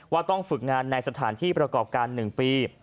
ว่าต้องฝึกงานในสถานที่ประกอบการ๑ปี